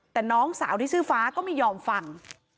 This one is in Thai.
แต่น้องสาวที่ชื่อฟ้าก็ไม่ยอมฟัง